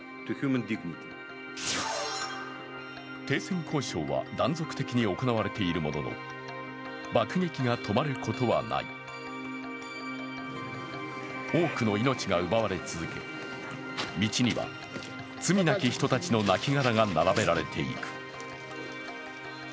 停戦交渉は断続的に行われているものの、爆撃が止まることはない多くの命が奪われ続け、道には罪なき人たちのなきがらが並べられていく。